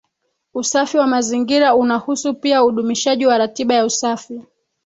Usafi wa mazingira unahusu pia udumishaji wa ratiba ya usafi